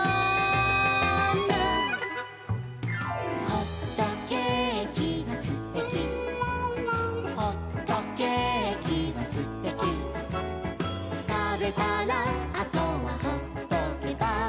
「ほっとけーきはすてき」「ほっとけーきはすてき」「たべたらあとはほっとけば」